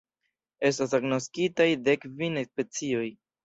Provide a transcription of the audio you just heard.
Estas agnoskitaj dekkvin specioj.